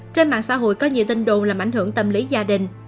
trên mạng xã hội có nhiều tin đồn làm ảnh hưởng tâm lý gia đình